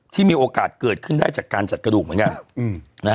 ที่มีโอกาสเกิดขึ้นได้จากการจัดกระดูกเหมือนกัน